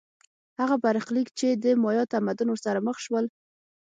هغه برخلیک چې د مایا تمدن ورسره مخ شول